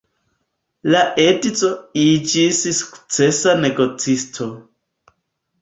La edzo iĝis sukcesa negocisto.